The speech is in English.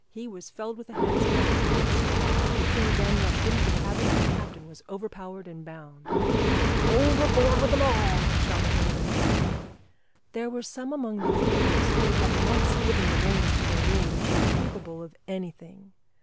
He was felled with a handspike as he did so; the crew then rushed into the cabin and the captain was overpowered and bound. "Overboard wi' them all!" shouted one of the men. There were some among these villains who, having once given the reins to their rage, were capable of anything.